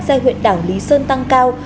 ra huyện đảo lý sơn tăng cao